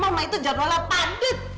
mama itu jadwalnya padat